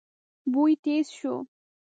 بوی تېز شو.